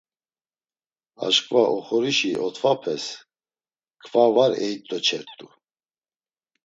Aşǩva oxorişi otvapes kva var eyit̆oçert̆u.